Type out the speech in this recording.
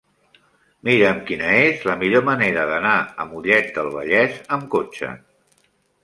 Mira'm quina és la millor manera d'anar a Mollet del Vallès amb cotxe.